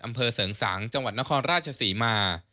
อำเภอเสริงสังจังหวัดนครราชศรีมา